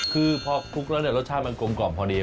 ก็มันสดจริงแน่นอนก่อนกิน